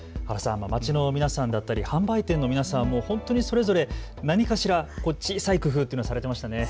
街の皆さんだったり販売店の皆さんも本当にそれぞれ何かしら、小さい工夫というのをされていましたね。